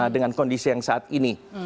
dengan kondisi yang saat ini